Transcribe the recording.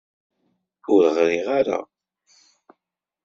Ur ɣriɣ ara